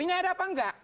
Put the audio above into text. ini ada apa enggak